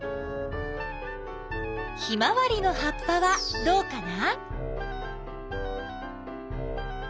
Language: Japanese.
ヒマワリの葉っぱはどうかな？